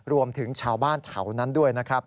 รวมถึงชาวบ้านแถวนั้นด้วยนะครับ